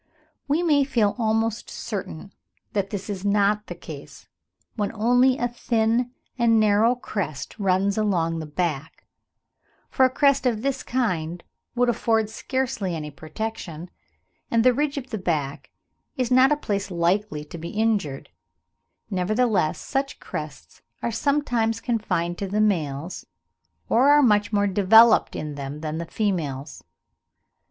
We may feel almost certain that this is not the case, when only a thin and narrow crest runs along the back; for a crest of this kind would afford scarcely any protection, and the ridge of the back is not a place likely to be injured; nevertheless such crests are sometimes confined to the males, or are much more developed in them than in the females.